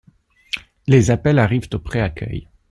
Les appels arrivent au préaccueil.